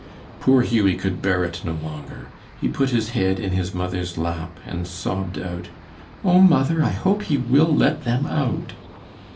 Poor Hughie could bear it no longer. He put his head in his mother's lap and sobbed out, "Oh, mother, I hope he will let them out."